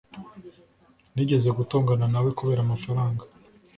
Nigeze gutongana nawe kubera amafaranga.